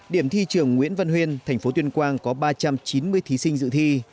điểm thi trường nguyễn văn huyên thành phố tuyên quang có ba trăm chín mươi thí sinh dự thi